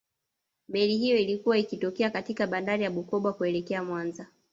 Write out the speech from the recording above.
meli hiyo ilikuwa ikitokea katika bandari ya bukoba kuelekea mwanza